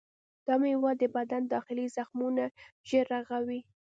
دا میوه د بدن داخلي زخمونه ژر رغوي.